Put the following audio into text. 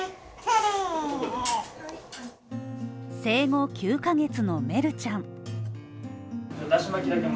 生後９ヶ月のめるちゃん